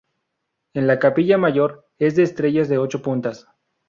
En la capilla mayor, es de estrellas de ocho puntas.